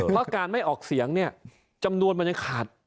เพราะการไม่ออกเสียงเนี่ยจำนวนมันยังขาด